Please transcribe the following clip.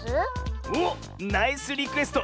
おっナイスリクエスト！